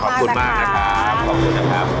ขอบคุณมากนะครับขอบคุณนะครับ